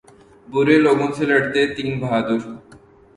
برے لوگوں سے لڑتے تین بہادر